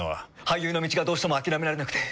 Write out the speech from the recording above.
俳優の道がどうしても諦められなくて。